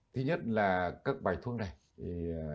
thứ nhất là các bài thuốc này